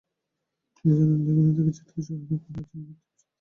তিনি জানান, লেগুনা থেকে ছিটকে সড়কে পড়ে ওই ছাত্রীর মৃত্যু হয়।